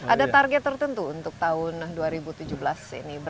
ada target tertentu untuk tahun dua ribu tujuh belas ini